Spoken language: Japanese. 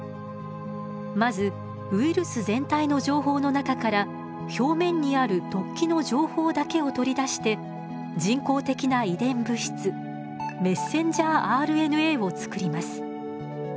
まずウイルス全体の情報の中から表面にある突起の情報だけを取り出して人工的な遺伝物質ｍＲＮＡをつくります。